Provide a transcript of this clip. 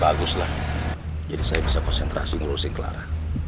bagus lah jadi saya bisa konsentrasi ngurusin clara